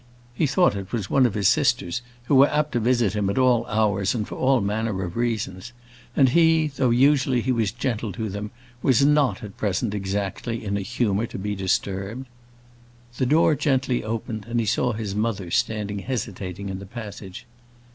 He thought it was one of his sisters, who were apt to visit him at all hours and for all manner of reasons; and he, though he was usually gentle to them, was not at present exactly in a humour to be disturbed. The door gently opened, and he saw his mother standing hesitating in the passage.